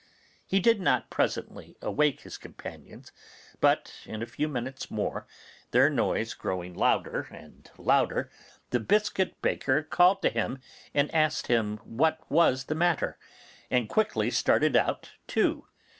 He did not presently awake his companions; but in a few minutes more, their noise growing louder and louder, the biscuit baker called to him and asked him what was the matter, and quickly started out too.